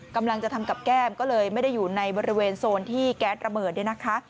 กำลังจะทำกับแก้มก็เลยไม่ได้อยู่ในบริเวณโซนที่แก๊สระเบิดเนี่ยนะคะ